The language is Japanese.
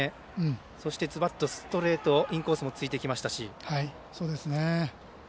そして、ズバッとストレートインコースもついてきましたし。